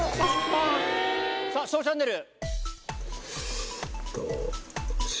ピンポンさぁ『ＳＨＯＷ チャンネル』。